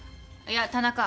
いや田中。